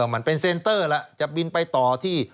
สวัสดีค่ะต้อนรับคุณบุษฎี